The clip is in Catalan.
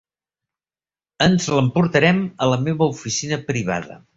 Ens l'emportarem a la meva oficina privada.